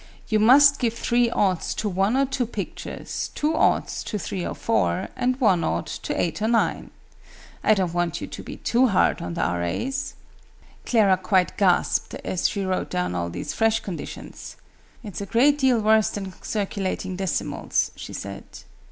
You must give three oughts to one or two pictures, two oughts to three or four, and one ought to eight or nine. I don't want you to be too hard on the R.A.'s." Clara quite gasped as she wrote down all these fresh conditions. "It's a great deal worse than Circulating Decimals!" she said.